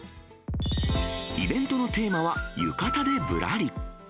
イベントのテーマは、ゆかたでぶらり。